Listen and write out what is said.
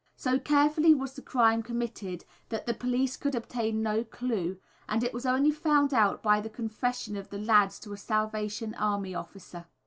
So carefully was the crime committed that the police could obtain no clue, and it was only found out by the confession of the lads to a Salvation Army officer.